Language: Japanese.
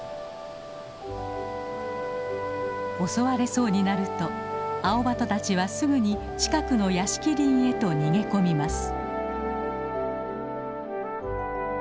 襲われそうになるとアオバトたちはすぐに近くの屋敷林へと逃げ込みます。